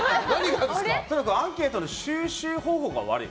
アンケートの収集方法が悪い。